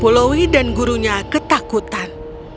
pulowi dan gurunya ketakutan